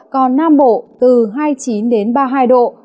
còn nam bộ từ hai mươi chín đến ba mươi hai độ